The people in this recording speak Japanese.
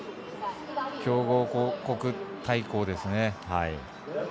強豪国対抗ですね。